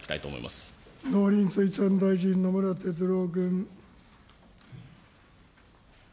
農林水産大臣、野村哲郎君。